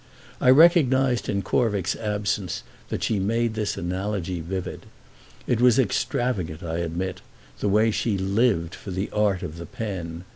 I recognised in Corvick's absence that she made this analogy vivid. It was extravagant, I admit, the way she lived for the art of the pen.